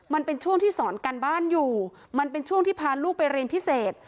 มันเป็นช่วงที่สอนการบ้านอยู่มันเป็นช่วงที่พาลูกไปเรียนพิเศษ